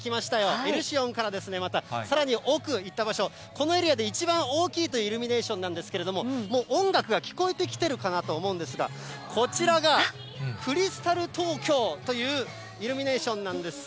エリュシオンから、またさらに奥行った場所、このエリアで一番大きいというイルミネーションなんですけれども、もう音楽が聞こえてきてるかなと思うんですが、こちらがクリスタル・トーキョーというイルミネーションなんです。